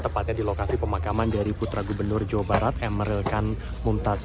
tepatnya di lokasi pemakaman dari putra gubernur jawa barat emeril kan mumtaz